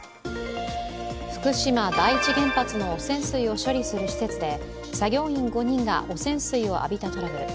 福島第一原発の汚染水を処理する施設で作業員５人が汚染水を浴びたトラブル。